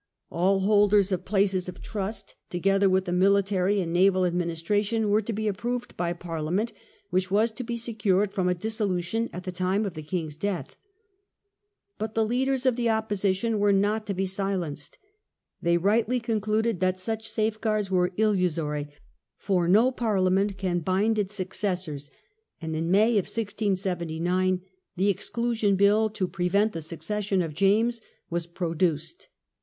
All holders of places of trust, together with the military and naval administration, were to be approved by Parliament, which was to be secured from a dissolution at the time of the king's death. But the leaders of the Opposition were not to be silenced. They rightly concluded that such safeguards were illusory, for no Parliament can bind its Exclusion successors; and in May, 1679, the Exclusion 6111,1679. Bill, to prevent the succession of James, was produced.